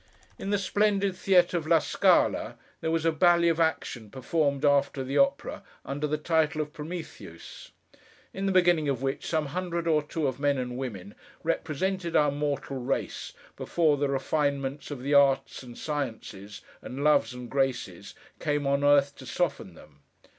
In the splendid theatre of La Scala, there was a ballet of action performed after the opera, under the title of Prometheus: in the beginning of which, some hundred or two of men and women represented our mortal race before the refinements of the arts and sciences, and loves and graces, came on earth to soften them.